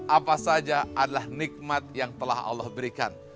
apa saja adalah nikmat yang telah allah berikan